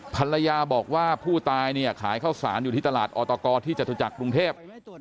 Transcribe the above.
ภรรยาบอกว่าผู้ตายเนี่ยขายข้าวสารอยู่ที่ตลาดออตกที่จตุจักรกรุงเทพ